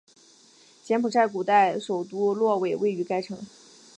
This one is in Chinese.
柬埔寨古代首都洛韦位于该城。